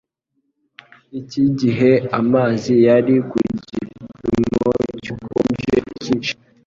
Iki gihe amazi yari ku gipimo cy'ubukonje kinshi